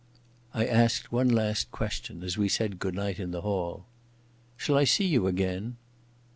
I asked one last question as we said good night in the hall. "Shall I see you again?"